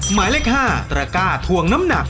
หมายเลข๕ตระก้าทวงน้ำหนัก